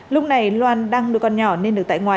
lúc này loan đang nuôi con nhỏ nên được tại ngoại